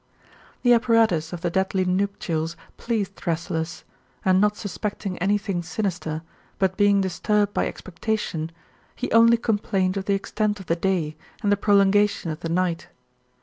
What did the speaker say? The apparatus of the deadly nuptials pleased Thrasyllus ; and not suspecting any thing sinister, but being disturbed by expectation, he only com plained of the extent of the day, and the prolongation of the night.